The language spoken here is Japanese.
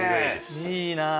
いいなあ。